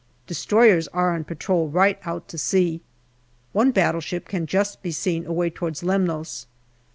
Destroyers are on patrol right out to sea. One battleship can just be seen far away towards Lemnos.